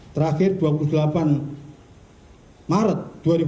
terakhir dua puluh delapan maret dua ribu lima belas